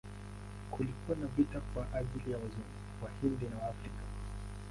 Kulikuwa na viti kwa ajili ya Wazungu, Wahindi na Waafrika.